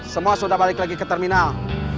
semua sudah balik lagi ke terminal